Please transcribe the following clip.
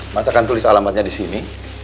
mas akan tulis alamatnya di sini